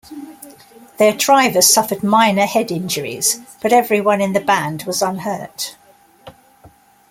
Their driver suffered minor head injuries, but everyone in the band was unhurt.